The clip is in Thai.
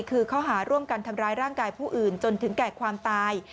คือข้อหาร่วมกันทำร้ายร่างกายผู้อื่นจนถึงแก่ความตาย